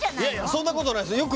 そんなことないです。